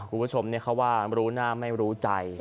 คุณผู้ชมเขาว่ารู้หน้าไม่รู้ใจ